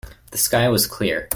The sky was clear.